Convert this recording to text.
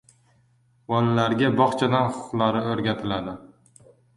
Bolalarga bog‘chadan huquqlari o‘rgatiladi